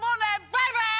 バイバイ！